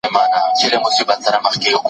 موږ باید له حقیقت څخه سترګې پټې نکړو.